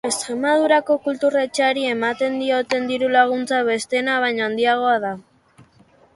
Extremadurako kultura etxeari ematen dioten diru-laguntza besteena baino handiagoa da.